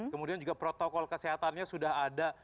kemudian juga protokol kesehatannya sudah ada